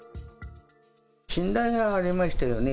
信頼がありましたよね。